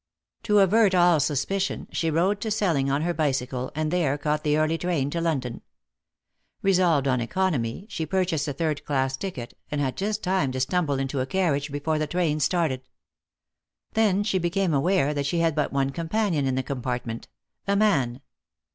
To avert all suspicion, she rode to Selling on her bicycle, and there caught the early train to London. Resolved on economy, she purchased a third class ticket, and had just time to stumble into a carriage before the train started. Then she became aware that she had but one companion in the compartment a man.